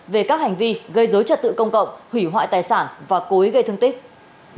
về các hành vi gây dối trật tự công cộng hủy hoại tài sản và cố ý gây thương tích